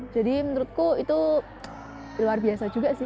jadi menurutku itu luar biasa juga sih